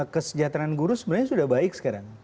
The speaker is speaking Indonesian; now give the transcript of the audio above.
kesejahteraan guru sebenarnya sudah baik sekarang